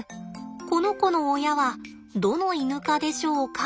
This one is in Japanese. この子の親はどのイヌ科でしょうか？